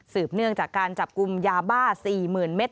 เนื่องจากการจับกลุ่มยาบ้า๔๐๐๐เมตร